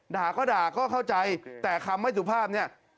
ด่าก็ด่าก็เข้าใจแต่คำไม่สุภาพเนี่ย